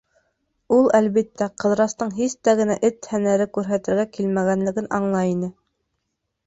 Ул, әлбиттә, Ҡыҙырастың һис тә генә эт һәнәре күрһәтергә килмәгәнлеген аңлай ине.